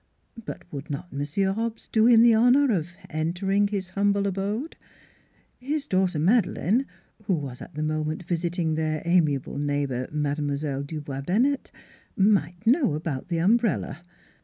But would not Monsieur Hobbs do him the honor of entering his humble abode? His daughter Made leine, who was at the moment visiting their amia ble neighbor, Mademoiselle Dubois Bennett, might know about the umbrella.